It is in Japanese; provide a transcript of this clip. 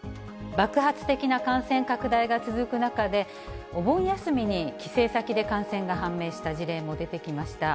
爆発的な感染拡大が続く中で、お盆休みに帰省先で感染が判明した事例も出てきました。